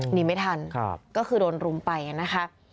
หนีไม่ทันก็คือโดนรุมไปนะคะ